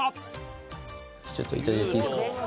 ちょっと頂いていいですか。